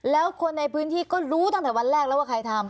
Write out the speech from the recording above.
แล้วคนในพื้นที่ก็รู้ตั้งแต่วันแรกแล้วว่าใครทำ